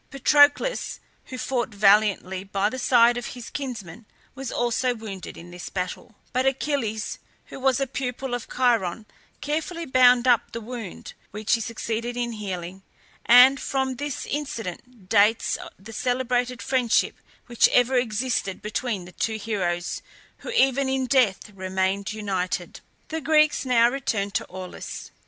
Patroclus, who fought valiantly by the side of his kinsman, was also wounded in this battle; but Achilles, who was a pupil of Chiron, carefully bound up the wound, which he succeeded in healing; and from this incident dates the celebrated friendship which ever after existed between the two heroes, who even in death remained united. The Greeks now returned to Aulis.